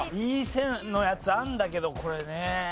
いい線のやつあるんだけどこれね。